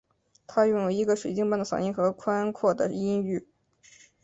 她拥有一个水晶般的嗓音和宽阔的音域。